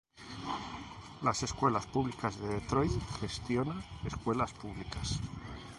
Las Escuelas Públicas de Detroit gestiona escuelas públicas.